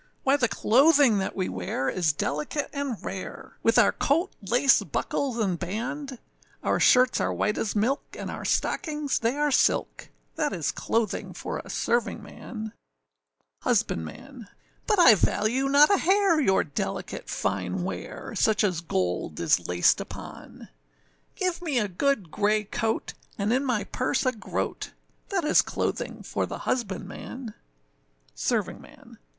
Why the clothing that we wear is delicate and rare, With our coat, lace, buckles, and band; Our shirts are white as milk, and our stockings they are silk, That is clothing for a servingman. HUSBANDMAN. But I value not a hair your delicate fine wear, Such as gold is laced upon; Give me a good grey coat, and in my purse a groat, That is clothing for the husbandman. SERVINGMAN.